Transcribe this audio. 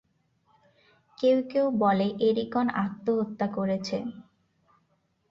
কেউ কেউ বলে এরিগন আত্মহত্যা করেছে।